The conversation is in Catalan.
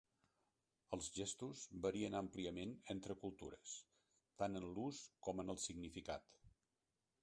Els gestos varien àmpliament entre cultures, tant en l'ús com en el significat.